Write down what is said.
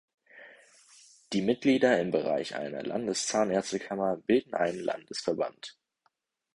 Die Mitglieder im Bereich einer Landeszahnärztekammer bilden einen Landesverband.